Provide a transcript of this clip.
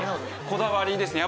こだわりですね。